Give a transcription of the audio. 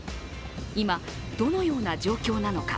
今、どのような状況なのか。